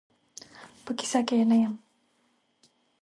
په کیسه کې یې نه یم.